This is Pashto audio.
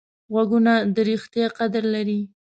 غوږونه د ریښتیا قدر لري